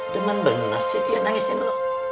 demen bener sih dia nangisin lu